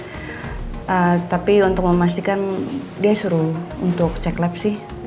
tapi untuk memastikan dia suruh untuk cek lab sih